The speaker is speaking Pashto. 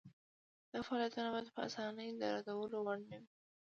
دا فعالیتونه باید په اسانۍ د ردولو وړ نه وي.